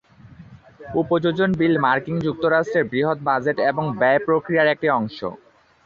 উপযোজন বিল মার্কিন যুক্তরাষ্ট্রের বৃহৎ বাজেট এবং ব্যয় প্রক্রিয়ার একটি অংশ।